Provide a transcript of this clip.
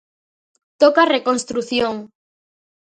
Toca reconstrución.